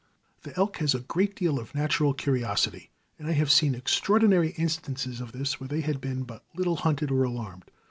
The elk has a great deal of natural curiosity, and I have seen extraordinary instances of this where they had been but little hunted or alarmed.